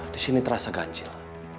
disini terasa ganjil